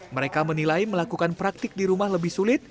mereka menilai melakukan praktik di rumah lebih sulit